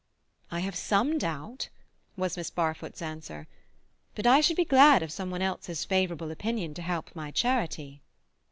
"I have some doubt," was Miss Barfoot's answer. "But I should be glad of some one else's favourable opinion to help my charity."